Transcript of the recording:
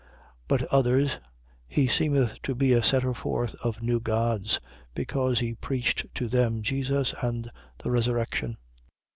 But others: He seemeth to be a setter forth of new gods. Because he preached to them Jesus and the resurrection.